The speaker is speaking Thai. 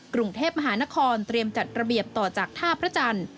กรุงเทพมหานครเตรียมจัดระเบียบต่อจากท่าพระจันทร์